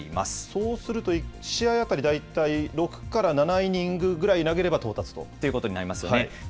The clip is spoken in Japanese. そうすると、１試合当たり大体６から７イニングぐらい投げれということになりますよね。